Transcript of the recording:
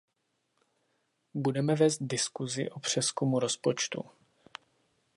Budeme vést diskusi o přezkumu rozpočtu.